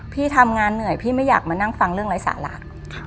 พี่ทำงานเหนื่อยพี่ไม่อยากมานั่งฟังเรื่องไร้สาระ